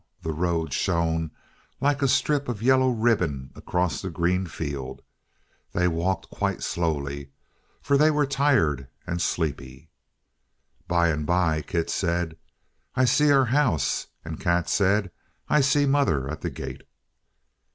The road shone, like a strip of yellow ribbon across the green field. They walked quite slowly, for they were tired and sleepy. By and by Kit said, "I see our house"; and Kat said, "I see mother at the gate."